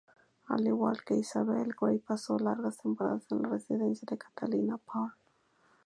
Al igual que Isabel, Grey pasó largas temporadas en la residencia de Catalina Parr.